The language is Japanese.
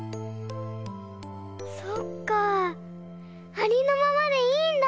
ありのままでいいんだ！